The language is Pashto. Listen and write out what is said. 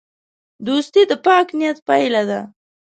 دوستي د پاک نیت پایله ده.